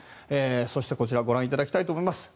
そして、こちらをご覧いただきたいと思います。